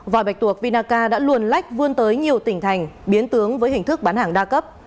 vạch tuộc vinaca đã luồn lách vươn tới nhiều tỉnh thành biến tướng với hình thức bán hàng đa cấp